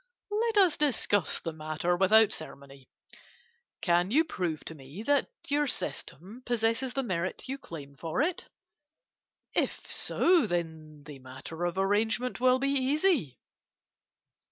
Let us discuss the matter without ceremony. Can you prove to me that your system possesses the merit you claim for it? If so, then the matter of arrangement will be easy.